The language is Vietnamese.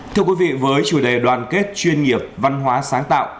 thưa quý vị với chủ đề đoàn kết chuyên nghiệp văn hóa sáng tạo